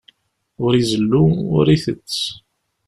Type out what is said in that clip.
Ur izellu, ur itett.